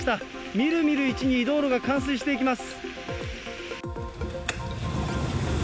みるみるうちに道路が冠水していきます。